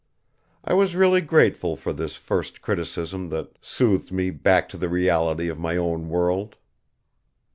I was really grateful for this first criticism that soothed me back to the reality of my own world.